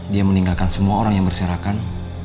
dia meninggalkan semua orang yang berserakan